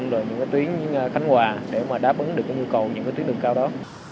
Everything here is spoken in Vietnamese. rồi những cái tuyến khánh hòa để mà đáp ứng được cái nhu cầu những cái tuyến đường cao đó